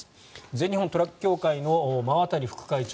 全日本トラック協会の馬渡副会長